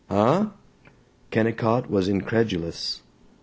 "Huh?" Kennicott was incredulous.